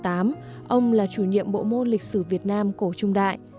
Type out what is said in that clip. năm một nghìn chín trăm năm mươi tám ông là chủ nhiệm bộ môn lịch sử việt nam cổ trung đại